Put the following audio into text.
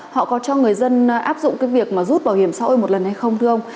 họ có cho người dân áp dụng cái việc mà rút bảo hiểm xã hội một lần hay không thưa ông